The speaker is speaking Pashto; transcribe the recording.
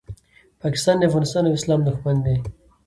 پاکستان د افغانستان او اسلام دوښمن دی